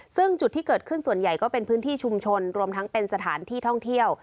ซึ่งจุดที่เกิดขึ้นส่วนใหญ่ก็เป็นพื้นที่ชุมชนรวมทั้งเป็นสถานที่ท่องเที่ยว